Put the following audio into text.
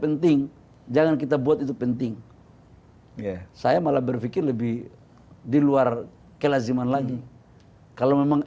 penting jangan kita buat itu penting ya saya malah berpikir lebih diluar kelaziman lagi kalau memang